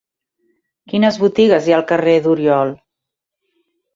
Quines botigues hi ha al carrer d'Oriol?